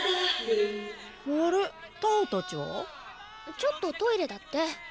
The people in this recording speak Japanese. ちょっとトイレだって。